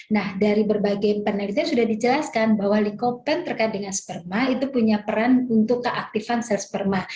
nah dari berbagai penelitian sudah dijelaskan bahwa likopen terkait dengan sperma itu punya peran untuk keaktifan sel sperma